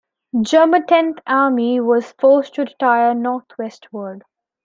German Tenth Army was forced to retire northwestward.